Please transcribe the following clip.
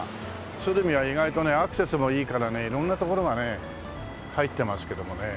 鶴見は意外とねアクセスもいいからね色んな所がね入ってますけどもね。